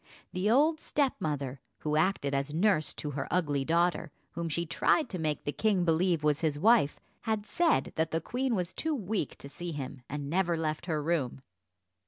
The old stepmother, who acted as nurse to her ugly daughter, whom she tried to make the king believe was his wife, had said that the queen was too weak to see him, and never left her room.